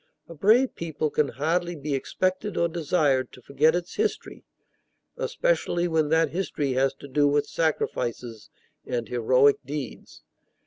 A brave people can hardly be expected or desired to forget its history, especially when that history has to do with sacrifices and heroic deeds.